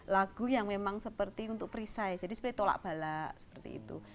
lagu yang memang seperti untuk perisai jadi seperti tolak balak seperti itu